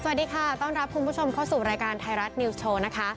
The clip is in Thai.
สวัสดีค่ะต้อนรับคุณผู้ชมเข้าสู่รายการไทยรัฐนิวส์โชว์นะคะ